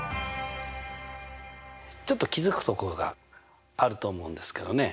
ちょっと気付くところがあると思うんですけどね。